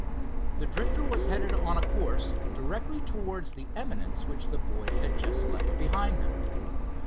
The Drifter was headed on a course directly towards the eminence which the boys had just left behind them.